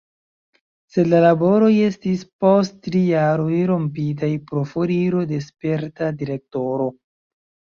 Sed la laboroj estis post tri jaroj rompitaj pro foriro de sperta direktoro.